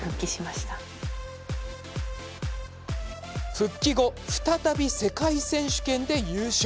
復帰後再び世界選手権で優勝。